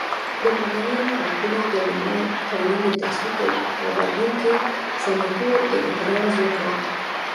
د مدني حقونو د لومړ قانون د تصویب په غبرګون کې سناتور اعتراض وکړ.